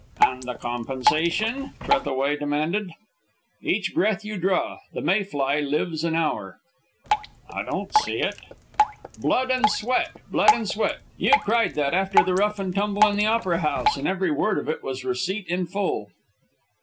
"And the compensation?" Trethaway demanded. "Each breath you draw. The Mayfly lives an hour." "I don't see it." "Blood and sweat! Blood and sweat! You cried that after the rough and tumble in the Opera House, and every word of it was receipt in full."